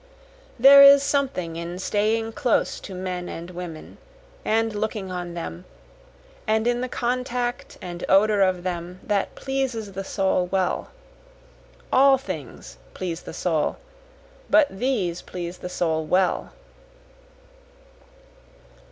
There is something in staying close to men and women and looking on them, and in the contact and odor of them, that pleases the soul well, All things please the soul, but these please the soul well.